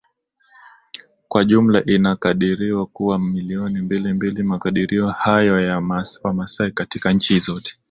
kwa jumla inakadiriwa kuwa milioni mbili mbili Makadirio hayo ya Wamasai katika nchi zote